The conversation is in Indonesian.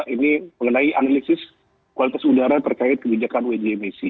ini mengenai analisis kualitas udara terkait kebijakan uji emisi